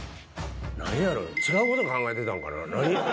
なんやろう、違うこと考えてたんかな？